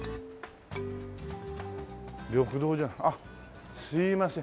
緑道じゃないあっすいません。